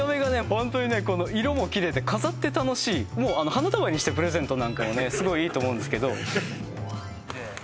ホントにね色もキレイで飾って楽しいもう花束にしてプレゼントなんかもねすごいいいと思うんですけどえ？